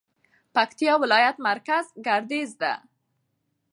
پکتيا ولايت مرکز ګردېز ده